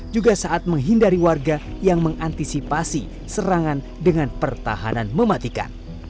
juga saat menghindari warga yang mengantisipasi serangan dengan pertahanan mematikan